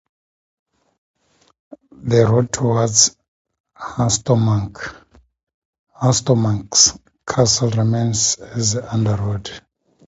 The road towards Herstmonceux castle remains as Under Road.